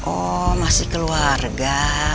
oh masih keluarga